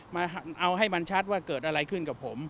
มาเอาให้มันชัดว่าเกิดอะไรขึ้นกับผม